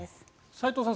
斎藤さん